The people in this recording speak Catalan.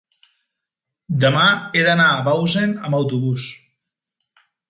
demà he d'anar a Bausen amb autobús.